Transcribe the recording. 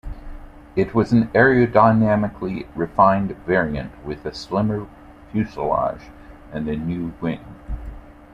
It was an aerodynamically refined variant, with a slimmer fuselage and a new wing.